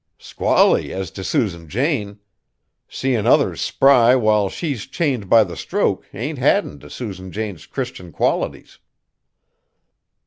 "Squally as t' Susan Jane. Seein' others spry while she's chained by the stroke ain't addin' t' Susan Jane's Christian qualities."